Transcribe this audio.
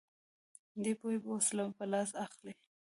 دی پوهې وسله په لاس اخلي